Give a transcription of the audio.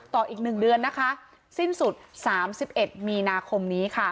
ต่ออีก๑เดือนนะคะสิ้นสุด๓๑มีนาคมนี้ค่ะ